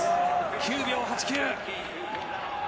９秒８９。